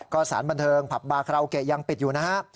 ก็สารบันเทิงผับบาคาราโอเกะยังปิดอยู่นะฮะ